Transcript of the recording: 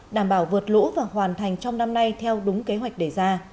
đảm bảo vượt lũ và hoàn thành trong năm nay theo đúng kế hoạch đề ra